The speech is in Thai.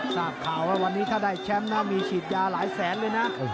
ทราบข่าวว่าวันนี้ถ้าได้แชมป์นะมีฉีดยาหลายแสนเลยนะ